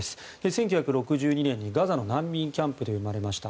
１９６２年にガザの難民キャンプで生まれました。